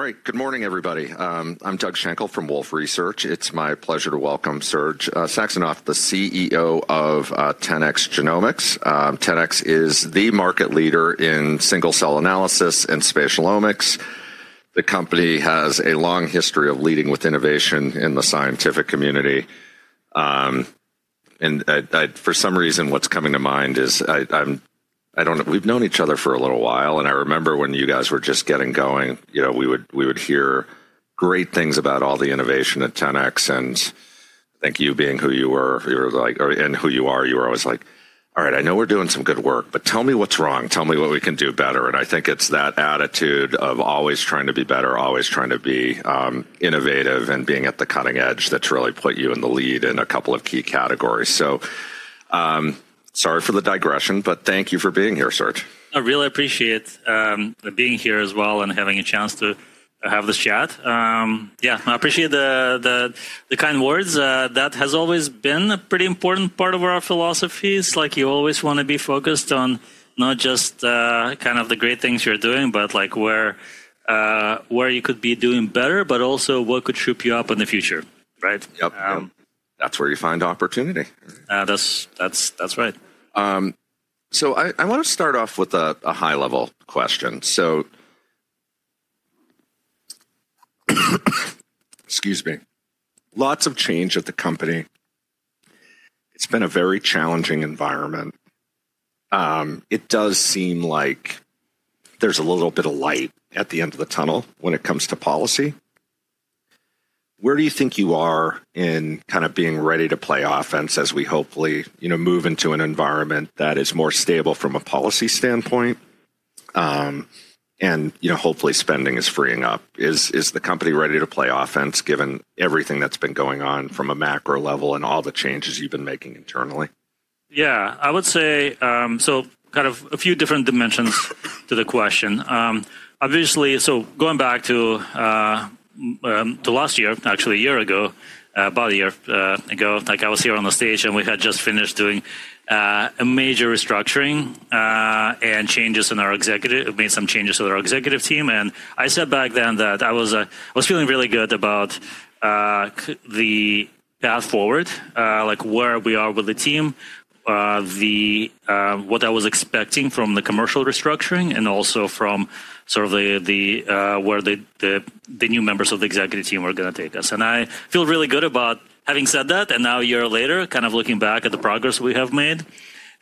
All right, good morning, everybody. I'm Doug Schenkel from Wolfe Research. It's my pleasure to welcome Serge Saxonov, the CEO of 10x Genomics. 10x is the market leader in single-cell analysis and spatial omics. The company has a long history of leading with innovation in the scientific community. For some reason, what's coming to mind is, I don't know, we've known each other for a little while, and I remember when you guys were just getting going, we would hear great things about all the innovation at 10x. I think you being who you were, and who you are, you were always like, "All right, I know we're doing some good work, but tell me what's wrong. Tell me what we can do better." I think it's that attitude of always trying to be better, always trying to be innovative, and being at the cutting edge that's really put you in the lead in a couple of key categories. Sorry for the digression, but thank you for being here, Serge. I really appreciate being here as well and having a chance to have this chat. Yeah, I appreciate the kind words. That has always been a pretty important part of our philosophies. Like you always want to be focused on not just kind of the great things you're doing, but where you could be doing better, but also what could shape you up in the future, right? Yep. That's where you find opportunity. That's right. I want to start off with a high-level question. Excuse me. Lots of change at the company. It has been a very challenging environment. It does seem like there is a little bit of light at the end of the tunnel when it comes to policy. Where do you think you are in kind of being ready to play offense as we hopefully move into an environment that is more stable from a policy standpoint? Hopefully, spending is freeing up. Is the company ready to play offense given everything that has been going on from a macro-level and all the changes you have been making internally? Yeah, I would say so, kind of a few different dimensions to the question. Obviously, going back to last year, actually a year ago, about a year ago, I was here on the stage and we had just finished doing a major restructuring and changes in our executive, made some changes to our executive team. I said back then that I was feeling really good about the path forward, like where we are with the team, what I was expecting from the commercial restructuring, and also from sort of where the new members of the executive team were going to take us. I feel really good about having said that. Now, a year later, kind of looking back at the progress we have made,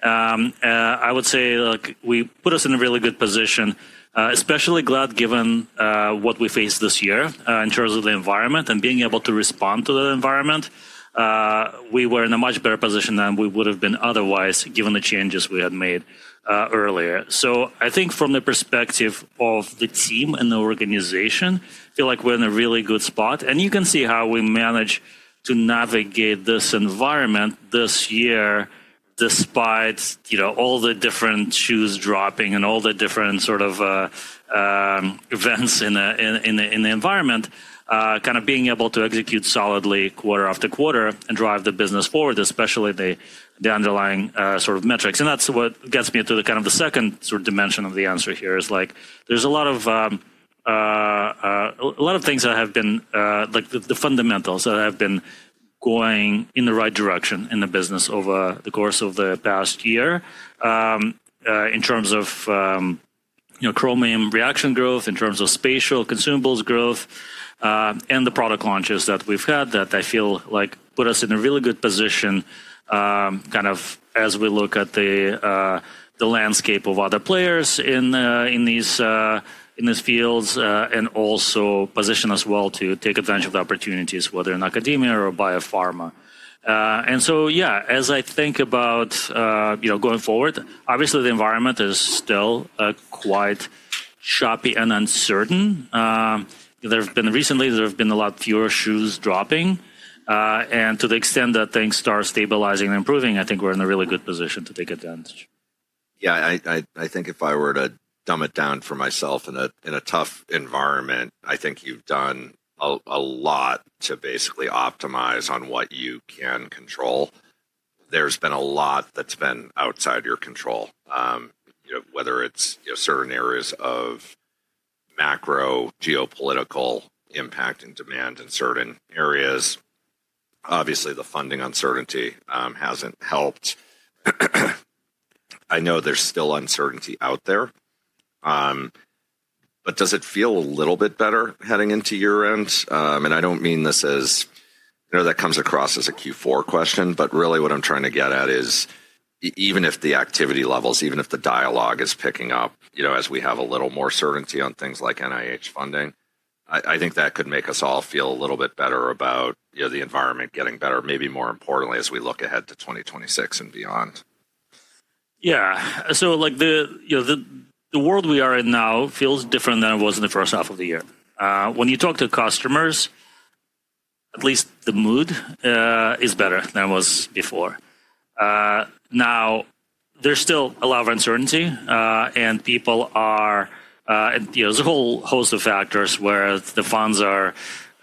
I would say we put us in a really good position, especially glad given what we faced this year in terms of the environment and being able to respond to the environment. We were in a much better position than we would have been otherwise given the changes we had made earlier. I think from the perspective of the team and the organization, I feel like we're in a really good spot. You can see how we manage to navigate this environment this year despite all the different shoes dropping and all the different sort of events in the environment, kind of being able to execute solidly quarter-after-quarter and drive the business forward, especially the underlying sort of metrics. That is what gets me to the kind of the second sort of dimension of the answer here, is like there are a lot of things that have been, like the fundamentals that have been going in the right direction in the business over the course of the past year in terms of Chromium reaction growth, in terms of spatial consumables growth, and the product launches that we have had that I feel like put us in a really good position kind of as we look at the landscape of other players in these fields and also position us well to take advantage of the opportunities, whether in academia or biopharma. Yeah, as I think about going forward, obviously the environment is still quite choppy and uncertain. Recently, there have been a lot fewer shoes dropping. To the extent that things start stabilizing and improving, I think we're in a really good position to take advantage. Yeah, I think if I were to dumb it down for myself in a tough environment, I think you've done a lot to basically optimize on what you can control. There's been a lot that's been outside your control, whether it's certain areas of macro-geopolitical impact and demand in certain areas. Obviously, the funding uncertainty hasn't helped. I know there's still uncertainty out there. Does it feel a little bit better heading into year-end? I don't mean this as that comes across as a Q4 question, but really what I'm trying to get at is even if the activity levels, even if the dialogue is picking up as we have a little more certainty on things like NIH funding, I think that could make us all feel a little bit better about the environment getting better, maybe more importantly as we look ahead to 2026 and beyond. Yeah. The world we are in now feels different than it was in the first half of the year. When you talk to customers, at least the mood is better than it was before. Now, there's still a lot of uncertainty and people are, there's a whole host of factors where the funds are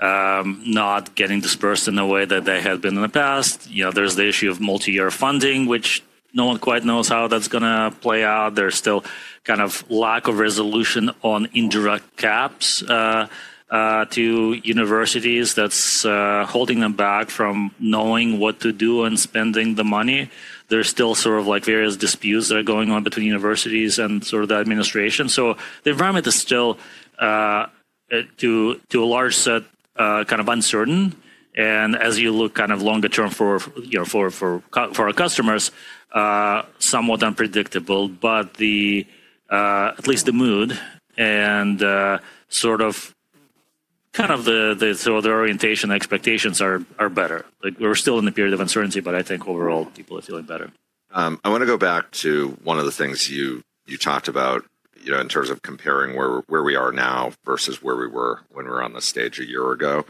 not getting dispersed in a way that they had been in the past. There's the issue of multi-year funding, which no one quite knows how that's going to play out. There's still kind of lack of resolution on indirect caps to universities that's holding them back from knowing what to do and spending the money. There's still sort of like various disputes that are going on between universities and sort of the administration. The environment is still to a large set kind of uncertain. As you look kind of longer term for our customers, somewhat unpredictable, but at least the mood and sort of kind of the orientation expectations are better. We're still in a period of uncertainty, but I think overall people are feeling better. I want to go back to one of the things you talked about in terms of comparing where we are now versus where we were when we were on the stage a year ago.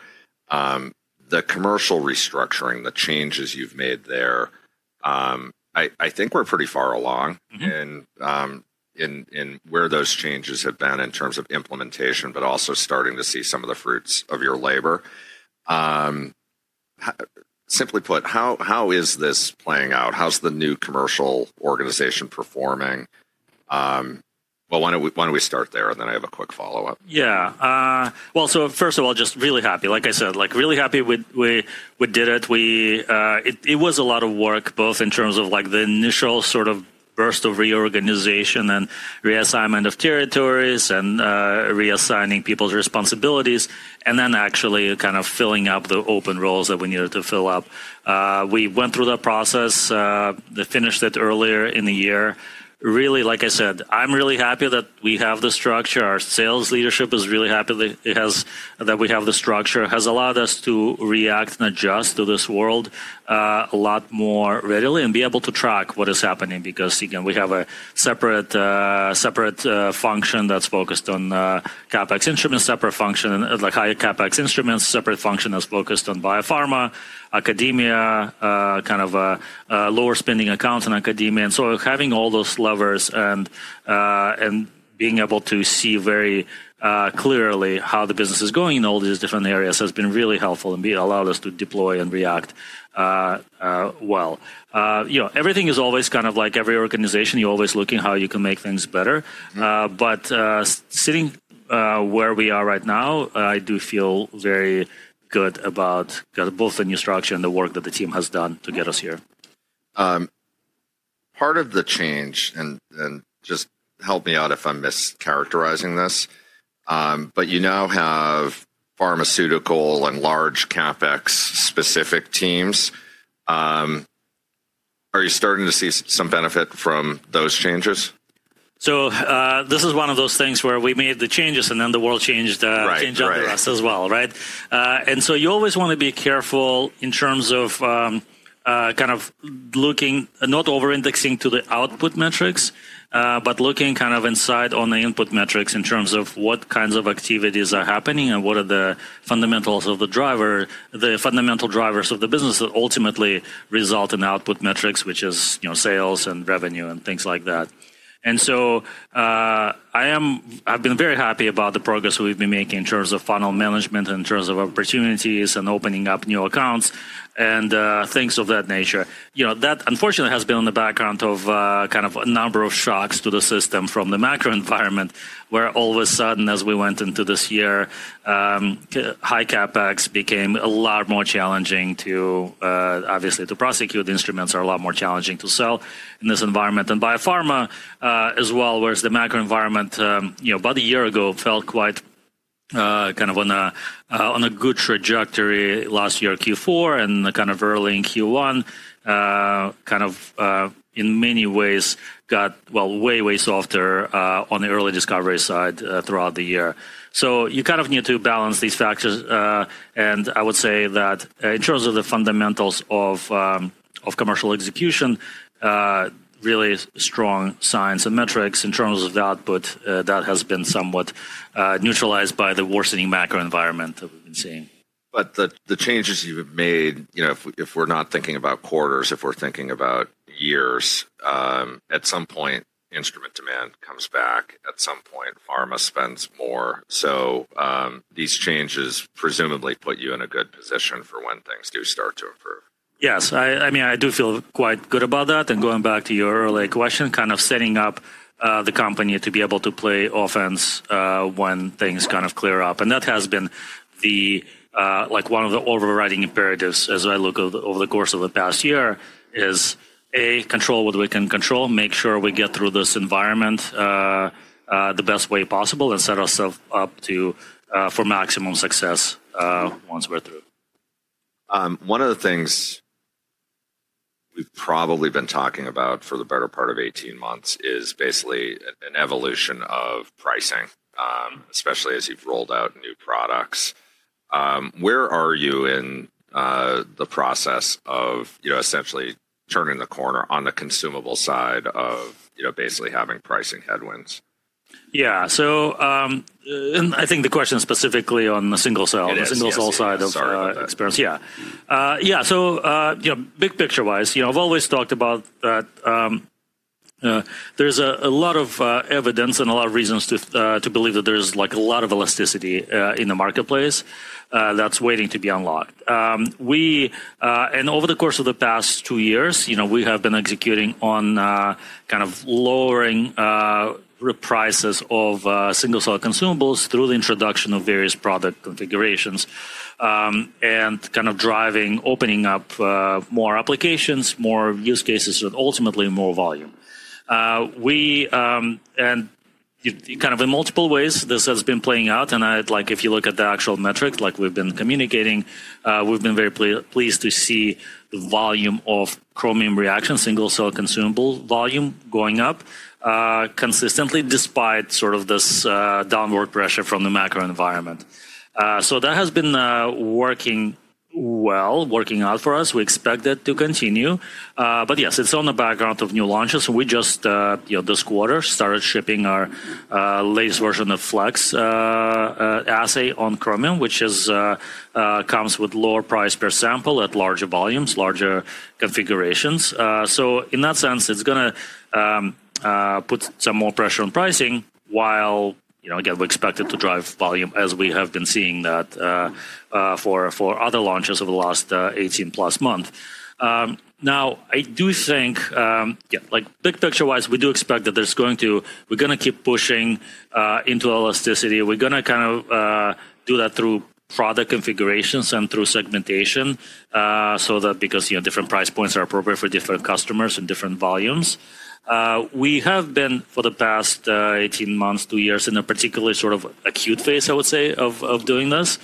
The commercial restructuring, the changes you've made there, I think we're pretty far along in where those changes have been in terms of implementation, but also starting to see some of the fruits of your labor. Simply put, how is this playing out? How's the new commercial organization performing? Why don't we start there and then I have a quick follow-up. Yeah. First of all, just really happy. Like I said, really happy we did it. It was a lot of work both in terms of the initial sort of burst of reorganization and reassignment of territories and reassigning people's responsibilities and then actually kind of filling up the open roles that we needed to fill up. We went through that process, finished it earlier in the year. Really, like I said, I'm really happy that we have the structure. Our sales leadership is really happy that we have the structure. It has allowed us to react and adjust to this world a lot more readily and be able to track what is happening because again, we have a separate function that's focused on CapEx instruments, separate function, like high CapEx instruments, separate function that's focused on biopharma, academia, kind of lower spending accounts in academia. Having all those levers and being able to see very clearly how the business is going in all these different areas has been really helpful and allowed us to deploy and react well. Everything is always kind of like every organization, you're always looking how you can make things better. Sitting where we are right now, I do feel very good about both the new structure and the work that the team has done to get us here. Part of the change, and just help me out if I'm mischaracterizing this, but you now have pharmaceutical and large CapEx specific teams. Are you starting to see some benefit from those changes? This is one of those things where we made the changes and then the world changed us as well, right? You always want to be careful in terms of kind of looking, not over-indexing to the output metrics, but looking kind of inside on the input metrics in terms of what kinds of activities are happening and what are the fundamentals of the driver, the fundamental drivers of the business that ultimately result in output metrics, which is sales and revenue and things like that. I have been very happy about the progress we have been making in terms of funnel management and in terms of opportunities and opening up new accounts and things of that nature. That, unfortunately, has been in the background of kind of a number of shocks to the system from the macro environment where all of a sudden, as we went into this year, high CapEx became a lot more challenging to, obviously, to prosecute. The instruments are a lot more challenging to sell in this environment. And biopharma as well, whereas the macro environment about a year ago felt quite kind of on a good trajectory last year, Q4 and kind of early in Q1, kind of in many ways got, well, way, way softer on the early discovery side throughout the year. You kind of need to balance these factors. I would say that in terms of the fundamentals of commercial execution, really strong signs and metrics in terms of the output that has been somewhat neutralized by the worsening macro environment that we've been seeing. The changes you've made, if we're not thinking about quarters, if we're thinking about years, at some point, instrument demand comes back. At some point, pharma spends more. These changes presumably put you in a good position for when things do start to improve. Yes. I mean, I do feel quite good about that. Going back to your earlier question, kind of setting up the company to be able to play offense when things kind of clear up. That has been one of the overriding imperatives as I look over the course of the past year is, A, control what we can control, make sure we get through this environment the best way possible, and set ourselves up for maximum success once we're through. One of the things we've probably been talking about for the better part of 18 months is basically an evolution of pricing, especially as you've rolled out new products. Where are you in the process of essentially turning the corner on the consumable side of basically having pricing headwinds? Yeah. I think the question specifically on the single cell, the single cell side of experience. Yeah. Yeah. Big picture-wise, I've always talked about that there's a lot of evidence and a lot of reasons to believe that there's a lot of elasticity in the marketplace that's waiting to be unlocked. Over the course of the past two years, we have been executing on kind of lowering prices of single cell consumables through the introduction of various product configurations and kind of driving, opening up more applications, more use cases, and ultimately more volume. In multiple ways, this has been playing out. If you look at the actual metrics, like we've been communicating, we've been very pleased to see the volume of Chromium reaction, single cell consumable volume going up consistently despite sort of this downward pressure from the macro-environment. That has been working well, working out for us. We expect that to continue. Yes, it's on the background of new launches. We just this quarter started shipping our latest version of Flex assay on Chromium, which comes with lower price per sample at larger volumes, larger configurations. In that sense, it's going to put some more pressure on pricing while, again, we expect it to drive volume as we have been seeing that for other launches over the last 18+ months. I do think, yeah, like big picture-wise, we do expect that there's going to, we're going to keep pushing into elasticity. We're going to kind of do that through product configurations and through segmentation so that because different price points are appropriate for different customers and different volumes. We have been for the past 18 months, two years in a particularly sort of acute phase, I would say, of doing this.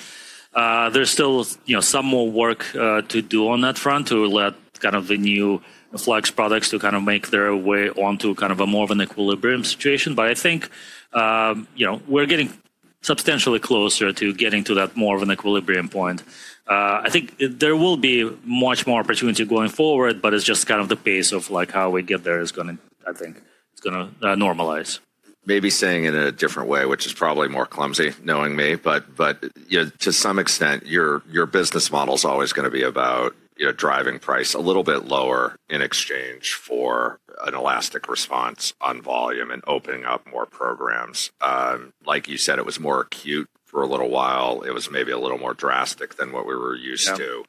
There is still some more work to do on that front to let kind of the new Flex products to kind of make their way onto kind of a more of an equilibrium situation. I think we are getting substantially closer to getting to that more of an equilibrium point. I think there will be much more opportunity going forward, it is just kind of the pace of how we get there is going to, I think, it is going to normalize. Maybe saying it in a different way, which is probably more clumsy knowing me, but to some extent, your business model is always going to be about driving price a little bit lower in exchange for an elastic response on volume and opening up more programs. Like you said, it was more acute for a little while. It was maybe a little more drastic than what we were used to.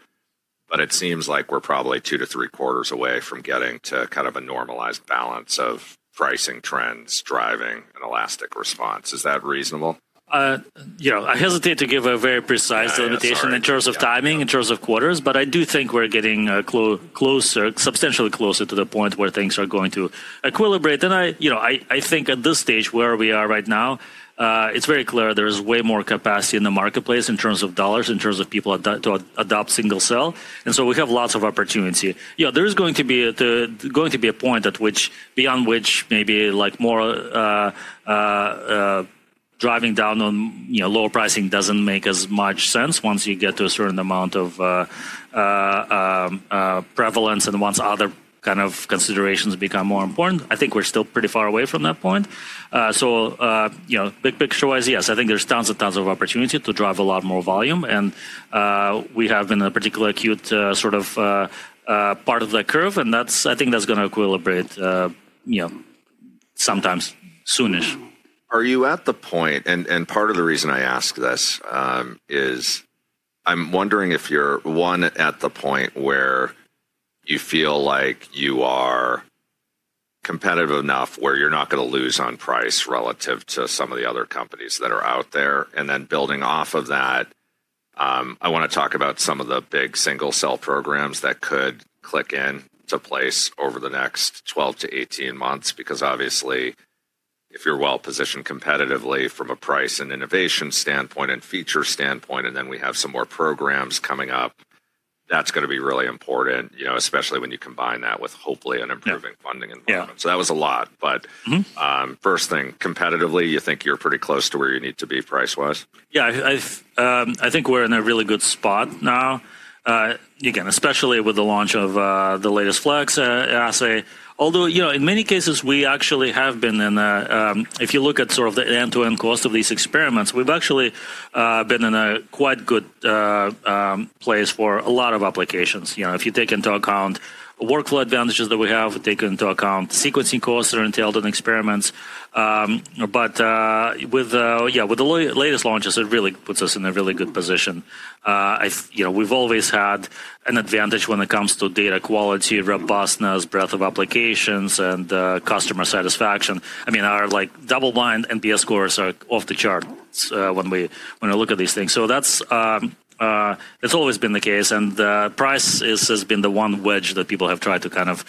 It seems like we're probably two to three quarters away from getting to kind of a normalized balance of pricing trends driving an elastic response. Is that reasonable? I hesitate to give a very precise limitation in terms of timing, in terms of quarters, but I do think we're getting closer, substantially closer to the point where things are going to equilibrate. I think at this stage where we are right now, it's very clear there is way more capacity in the marketplace in terms of dollars, in terms of people to adopt single cell. We have lots of opportunity. There is going to be a point at which beyond which maybe more driving down on lower pricing doesn't make as much sense once you get to a certain amount of prevalence and once other kind of considerations become more important. I think we're still pretty far away from that point. Big picture-wise, yes, I think there's tons and tons of opportunity to drive a lot more volume. We have been in a particular acute sort of part of the curve. I think that's going to equilibrate sometime soonish. Are you at the point, and part of the reason I ask this is I'm wondering if you're one at the point where you feel like you are competitive enough where you're not going to lose on price relative to some of the other companies that are out there. Then building off of that, I want to talk about some of the big single cell programs that could click into place over the next 12 months-18 months because obviously if you're well positioned competitively from a price and innovation standpoint and feature standpoint, and then we have some more programs coming up, that's going to be really important, especially when you combine that with hopefully an improving funding environment. That was a lot. First thing, competitively, you think you're pretty close to where you need to be price-wise? Yeah. I think we're in a really good spot now, again, especially with the launch of the latest Flex assay. Although in many cases, we actually have been in, if you look at sort of the end-to-end cost of these experiments, we've actually been in a quite good place for a lot of applications. If you take into account the workflow advantages that we have, take into account sequencing costs that are entailed in experiments. With the latest launches, it really puts us in a really good position. We've always had an advantage when it comes to data quality, robustness, breadth of applications, and customer satisfaction. I mean, our double-blind NPS scores are off the chart when we look at these things. That's always been the case. Price has been the one wedge that people have tried to kind of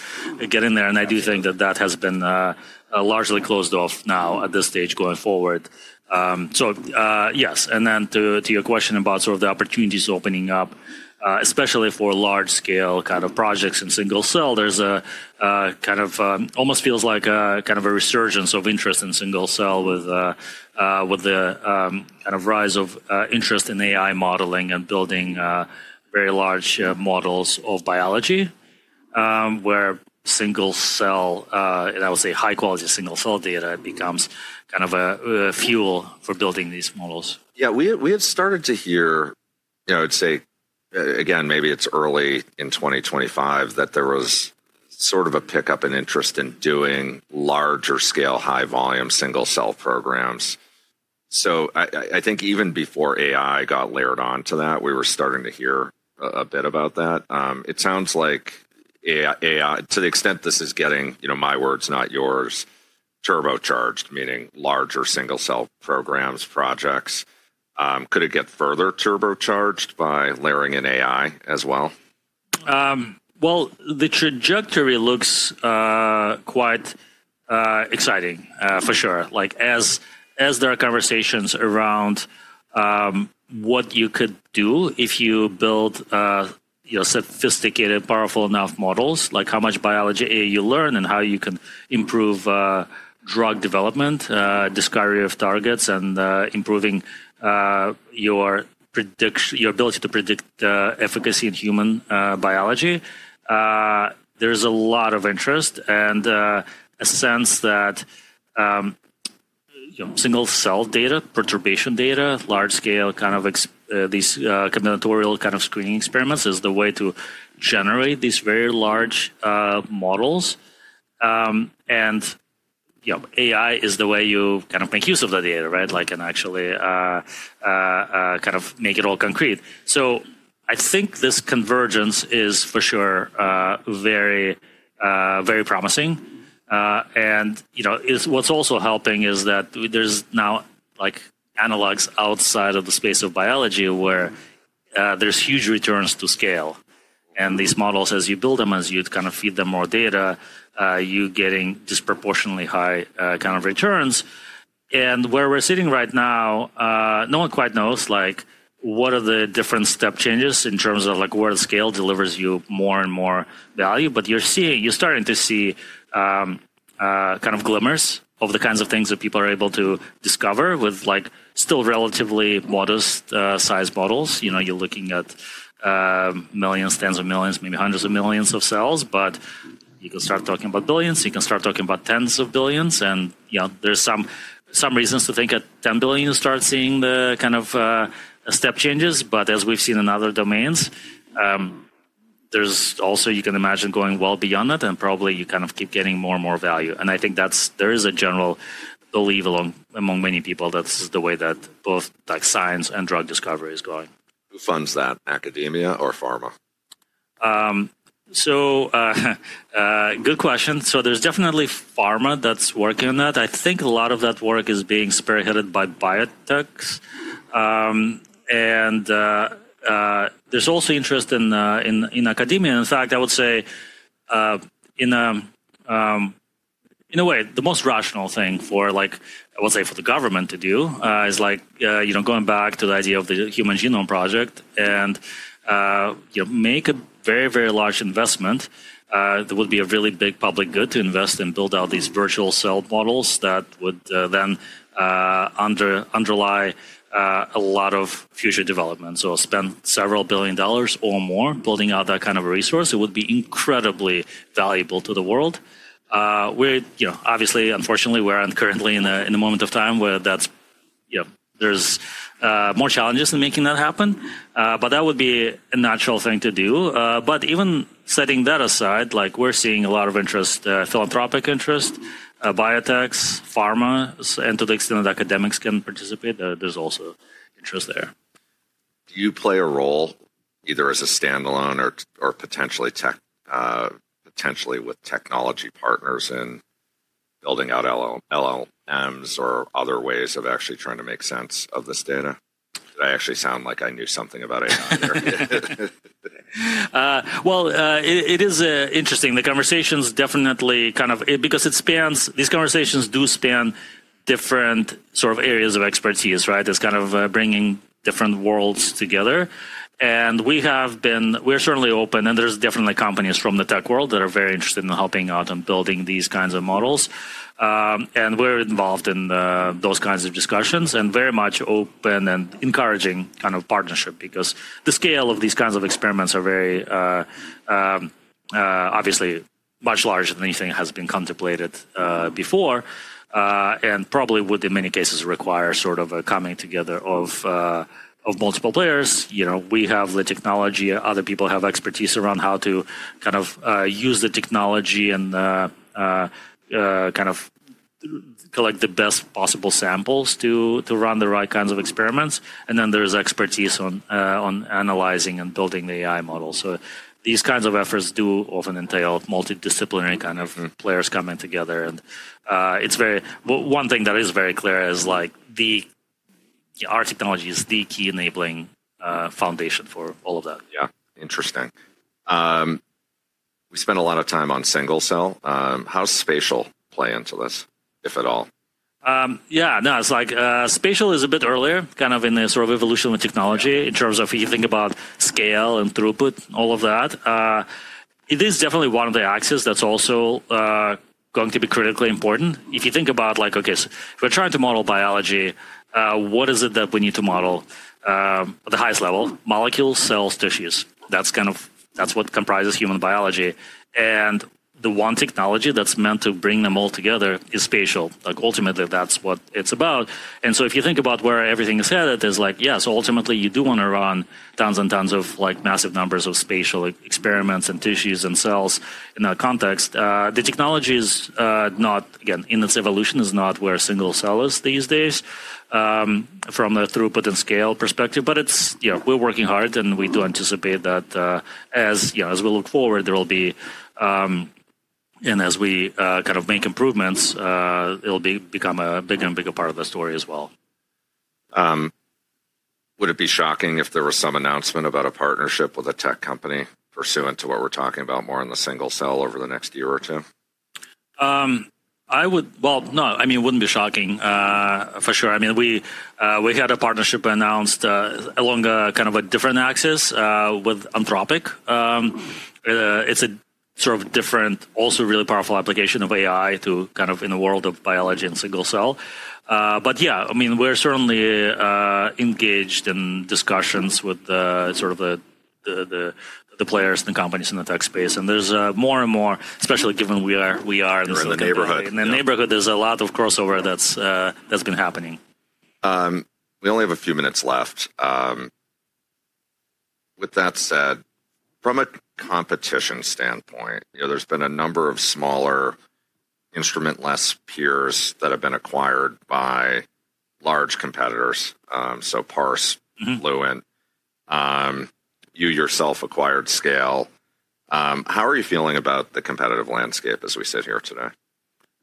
get in there. I do think that that has been largely closed off now at this stage going forward. Yes. To your question about sort of the opportunities opening up, especially for large-scale kind of projects in single cell, there's a kind of almost feels like kind of a resurgence of interest in single cell with the kind of rise of interest in AI modeling and building very large models of biology where single cell, I would say high-quality single cell data becomes kind of a fuel for building these models. Yeah. We have started to hear, I would say, again, maybe it is early in 2025 that there was sort of a pickup in interest in doing larger-scale high-volume single cell programs. I think even before AI got layered onto that, we were starting to hear a bit about that. It sounds like AI, to the extent this is getting, my words, not yours, turbocharged, meaning larger single cell programs, projects, could it get further turbocharged by layering in AI as well? The trajectory looks quite exciting for sure. As there are conversations around what you could do if you build sophisticated, powerful enough models, like how much biology you learn and how you can improve drug development, discovery of targets, and improving your ability to predict efficacy in human biology, there is a lot of interest and a sense that single cell data, perturbation data, large-scale kind of these combinatorial kind of screening experiments is the way to generate these very large models. AI is the way you kind of make use of the data, right, and actually kind of make it all concrete. I think this convergence is for sure very promising. What is also helping is that there are now analogs outside of the space of biology where there are huge returns to scale. These models, as you build them, as you kind of feed them more data, you're getting disproportionately high kind of returns. Where we're sitting right now, no one quite knows what are the different step changes in terms of where the scale delivers you more and more value. You're starting to see kind of glimmers of the kinds of things that people are able to discover with still relatively modest-sized models. You're looking at millions, tens of millions, maybe hundreds of millions of cells. You can start talking about billions. You can start talking about tens of billions. There's some reasons to think at 10 billion you start seeing the kind of step changes. As we've seen in other domains, you can imagine going well beyond that. Probably you kind of keep getting more and more value. I think there is a general belief among many people that this is the way that both science and drug discovery is going. Who funds that? Academia or pharma? Good question. There's definitely pharma that's working on that. I think a lot of that work is being spearheaded by biotechs. There's also interest in academia. In fact, I would say in a way, the most rational thing for the government to do is going back to the idea of the human genome project and make a very, very large investment. It would be a really big public good to invest and build out these virtual cell models that would then underlie a lot of future development. Spend several billion dollars or more building out that kind of resource. It would be incredibly valuable to the world. Obviously, unfortunately, we aren't currently in a moment of time where there's more challenges than making that happen. That would be a natural thing to do. Even setting that aside, we're seeing a lot of interest, philanthropic interest, biotechs, pharma, and to the extent that academics can participate, there's also interest there. Do you play a role either as a standalone or potentially with technology partners in building out LLMs or other ways of actually trying to make sense of this data? Did I actually sound like I knew something about AI? It is interesting. The conversations definitely kind of because these conversations do span different sort of areas of expertise, right? It's kind of bringing different worlds together. We are certainly open. There are definitely companies from the tech world that are very interested in helping out on building these kinds of models. We are involved in those kinds of discussions and very much open and encouraging kind of partnership because the scale of these kinds of experiments are very obviously much larger than anything has been contemplated before. Probably would in many cases require sort of a coming together of multiple players. We have the technology. Other people have expertise around how to kind of use the technology and kind of collect the best possible samples to run the right kinds of experiments. Then there's expertise on analyzing and building the AI model. These kinds of efforts do often entail multidisciplinary kind of players coming together. One thing that is very clear is our technology is the key enabling foundation for all of that. Yeah. Interesting. We spent a lot of time on single cell. How does Spatial play into this, if at all? Yeah. No, Spatial is a bit earlier kind of in the sort of evolution of technology in terms of if you think about scale and throughput, all of that. It is definitely one of the axes that's also going to be critically important. If you think about, okay, we're trying to model biology, what is it that we need to model at the highest level? Molecules, cells, tissues. That's what comprises human biology. The one technology that's meant to bring them all together is Spatial. Ultimately, that's what it's about. If you think about where everything is headed, it's like, yes, ultimately, you do want to run tons and tons of massive numbers of spatial experiments and tissues and cells in that context. The technology is not, again, in its evolution is not where single cell is these days from the throughput and scale perspective. We're working hard. We do anticipate that as we look forward, there will be, and as we kind of make improvements, it'll become a bigger and bigger part of the story as well. Would it be shocking if there was some announcement about a partnership with a tech company pursuant to what we're talking about more on the single cell over the next year or two? I mean, it wouldn't be shocking for sure. I mean, we had a partnership announced along kind of a different axis with Anthropic. It's a sort of different, also really powerful application of AI kind of in the world of biology and single cell. Yeah, I mean, we're certainly engaged in discussions with sort of the players and the companies in the tech space. There's more and more, especially given we are in the neighborhood. You're in the neighborhood. There's a lot of crossover that's been happening. We only have a few minutes left. With that said, from a competition standpoint, there's been a number of smaller instrumentless peers that have been acquired by large competitors. So Parse, Fluent, you yourself acquired Scale. How are you feeling about the competitive landscape as we sit here today?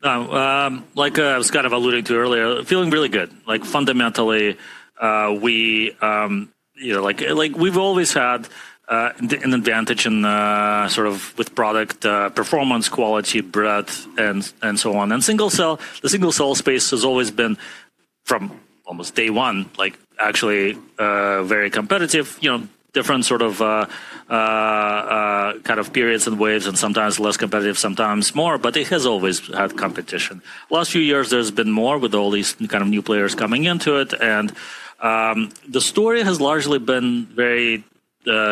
Like I was kind of alluding to earlier, feeling really good. Fundamentally, we've always had an advantage sort of with product performance, quality, breadth, and so on. The single cell space has always been from almost day one, actually very competitive. Different sort of kind of periods and waves and sometimes less competitive, sometimes more. It has always had competition. Last few years, there's been more with all these kind of new players coming into it. The story has largely been very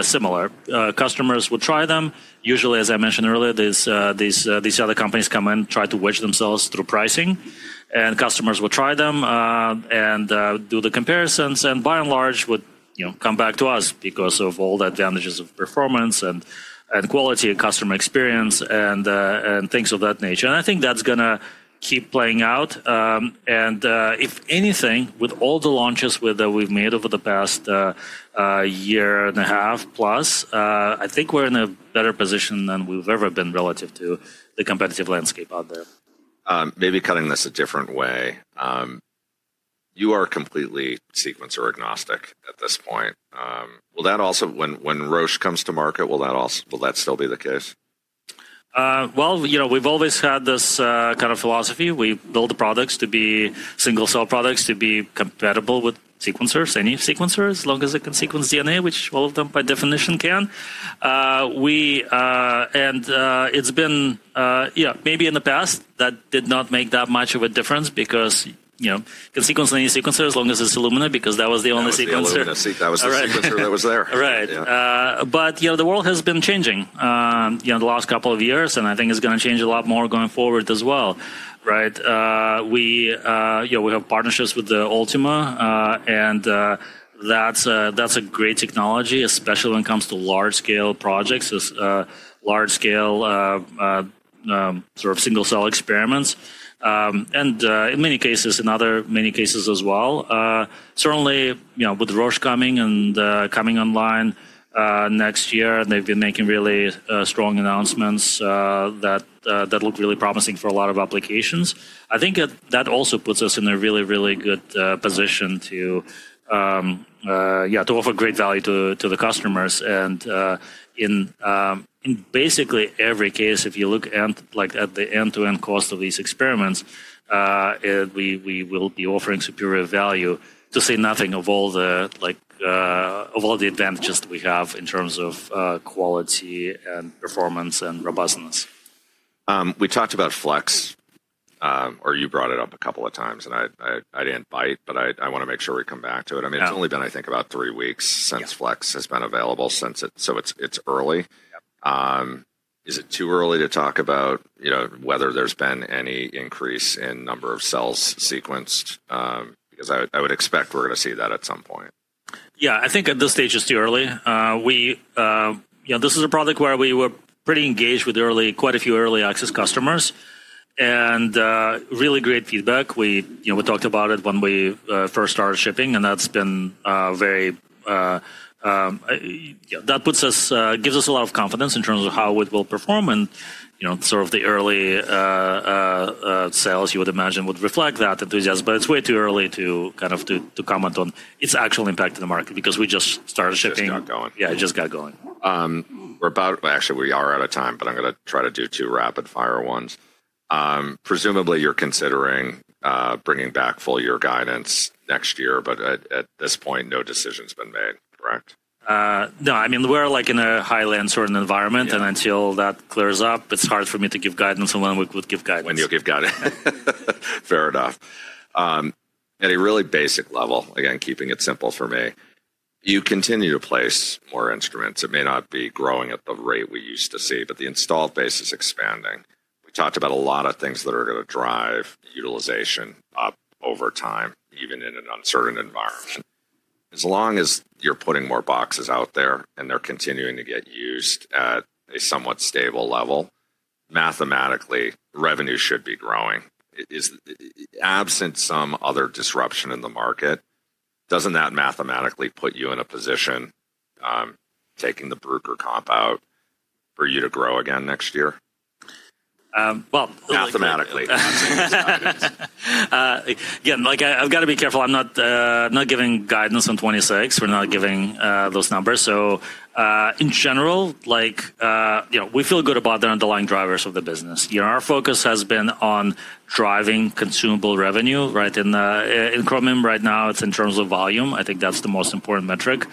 similar. Customers would try them. Usually, as I mentioned earlier, these other companies come in, try to wedge themselves through pricing. Customers will try them and do the comparisons and by and large would come back to us because of all the advantages of performance and quality and customer experience and things of that nature. I think that's going to keep playing out. If anything, with all the launches that we've made over the past year and a half plus, I think we're in a better position than we've ever been relative to the competitive landscape out there. Maybe cutting this a different way, you are completely sequencer agnostic at this point. Will that also, when Roche comes to market, will that still be the case? We've always had this kind of philosophy. We build the products to be single cell products to be compatible with sequencers, any sequencers, as long as it can sequence DNA, which all of them by definition can. It's been maybe in the past that did not make that much of a difference because you can sequence any sequencer as long as it's Illumina because that was the only sequencer. That was the sequencer that was there. Right. The world has been changing in the last couple of years. I think it's going to change a lot more going forward as well, right? We have partnerships with Ultima. That's a great technology, especially when it comes to large-scale projects, large-scale sort of single cell experiments. In many cases, in other many cases as well. Certainly, with Roche coming and coming online next year, they've been making really strong announcements that look really promising for a lot of applications. I think that also puts us in a really, really good position to offer great value to the customers. In basically every case, if you look at the end-to-end cost of these experiments, we will be offering superior value to say nothing of all the advantages that we have in terms of quality and performance and robustness. We talked about Flex, or you brought it up a couple of times. I did not bite, but I want to make sure we come back to it. I mean, it has only been, I think, about three weeks since Flex has been available. It is early. Is it too early to talk about whether there has been any increase in number of cells sequenced? I would expect we are going to see that at some point. Yeah. I think at this stage it's too early. This is a product where we were pretty engaged with quite a few early access customers and really great feedback. We talked about it when we first started shipping. That gives us a lot of confidence in terms of how it will perform. The early sales, you would imagine, would reflect that enthusiasm. It is way too early to kind of comment on its actual impact in the market because we just started shipping. It's just got going. Yeah, it just got going. We're about, actually, we are out of time. I'm going to try to do two rapid-fire ones. Presumably, you're considering bringing back full year guidance next year. At this point, no decision's been made, correct? No. I mean, we're in a highly uncertain environment. Until that clears up, it's hard for me to give guidance on when we would give guidance. When you'll give guidance. Fair enough. At a really basic level, again, keeping it simple for me, you continue to place more instruments. It may not be growing at the rate we used to see, but the installed base is expanding. We talked about a lot of things that are going to drive utilization up over time, even in an uncertain environment. As long as you're putting more boxes out there and they're continuing to get used at a somewhat stable level, mathematically, revenue should be growing. Absent some other disruption in the market, doesn't that mathematically put you in a position taking the Bruker comp out for you to grow again next year? Well. Mathematically. Yeah. I've got to be careful. I'm not giving guidance on 2026. We're not giving those numbers. In general, we feel good about the underlying drivers of the business. Our focus has been on driving consumable revenue. In Chromium, right now, it's in terms of volume. I think that's the most important metric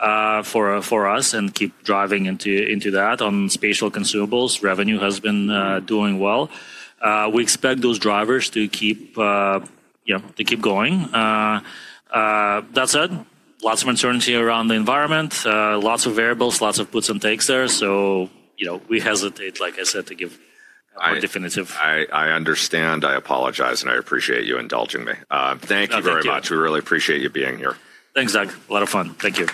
for us and keep driving into that. On Spatial consumables, revenue has been doing well. We expect those drivers to keep going. That said, lots of uncertainty around the environment, lots of variables, lots of puts and takes there. We hesitate, like I said, to give a definitive. I understand. I apologize. I appreciate you indulging me. Thank you very much. We really appreciate you being here. Thanks, Doug. A lot of fun. Thank you.